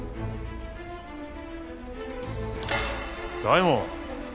大門。